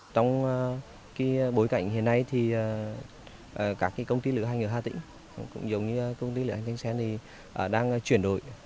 trong bối cảnh hiện nay các công ty lựa hành ở hà tĩnh cũng như công ty lựa hành thanh xe đang chuyển đổi